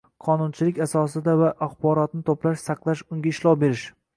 qonunchilik asosida va axborotni to‘plash, saqlash, unga ishlov berish